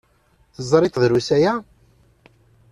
Teẓriḍ-t drus aya?